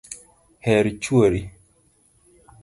Her chuori